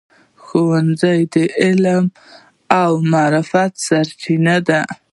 ښوونځی د علم او معرفت سرچینه ده.